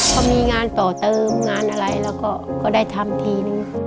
พอมีงานต่อเติมงานอะไรเราก็ได้ทำทีนึง